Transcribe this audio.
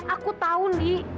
aku tahu ndi